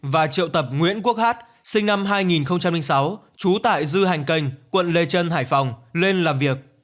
và triệu tập nguyễn quốc hát sinh năm hai nghìn sáu trú tại dư hành kênh quận lê trân hải phòng lên làm việc